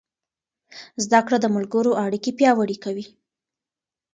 زده کړه د ملګرو اړیکې پیاوړې کوي.